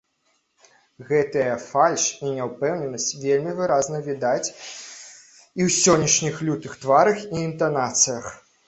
Гэтыя фальш і няўпэўненасць вельмі выразна відаць і ў сённяшніх лютых тварах і інтанацыях.